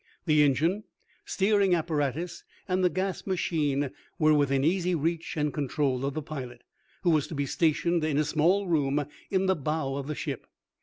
The engine, steering apparatus, and the gas machine were within easy reach and control of the pilot, who was to be stationed in a small room in the "bow" of the ship.